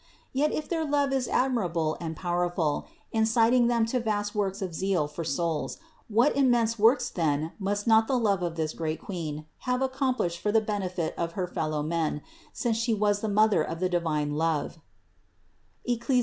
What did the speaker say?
Yet if their love is admirable and powerful, inciting them to vast works of zeal for souls, what immense works then must not the love this great Queen have accom plished for the benefit of her fellowmen, since She was the Mother of the divine love (Eccli.